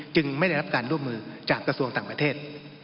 ไม่ได้รับการร่วมมือจากกระทรวงต่างประเทศ